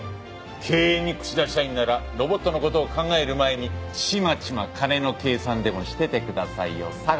経営に口出したいんならロボットの事を考える前にちまちま金の計算でもしててくださいよ相良副院長。